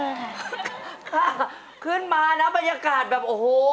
ค่ะขึ้นมานะบรรยากาศแบบโอ้โห